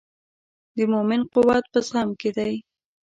د مؤمن قوت په زغم کې دی.